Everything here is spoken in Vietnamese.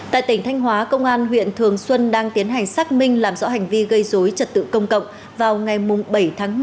tại tỉnh thanh hóa công an huyện thường xuân đang tiến hành xác minh làm rõ hành vi gây dối trật tự công cộng vào ngày bảy tháng một mươi năm hai nghìn hai mươi một